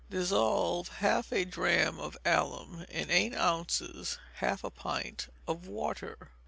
Dissolve half a drachm of alum in eight ounces (half a pint) of water.